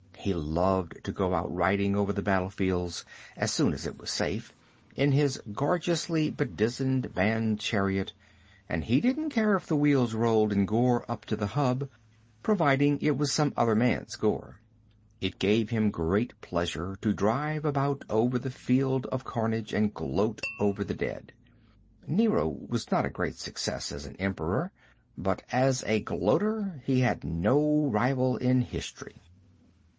He loved to go out riding over the battle fields, as soon as it was safe, in his gorgeously bedizened band chariot and he didn't care if the wheels rolled in gore up to the hub, providing it was some other man's gore. It gave him great pleasure to drive about over the field of carnage and gloat over the dead. Nero was not a great success as an Emperor, but as a gloater he has no rival in history.